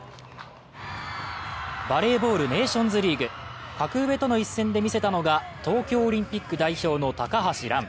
バレーボール、ネーションズリーグ格上との一戦で見せたのが東京オリンピック代表の高橋藍。